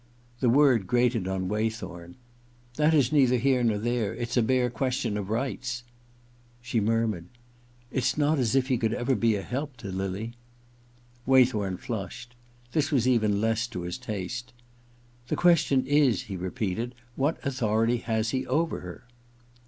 The word grated on Waythorn. •That is neither here nor there. It's a bare question of rights.' She murmured :* It's not as if he could ever be a help to Lily * Waythorn flushed. This was even less to his taste. * The question is,' he repeated, ' what authority has he over her